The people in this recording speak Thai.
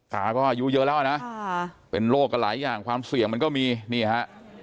ตาก็อายุเยอะแล้วนะเป็นโรคกันหลายอย่างความเสี่ยงมันก็มีนี่ฮะ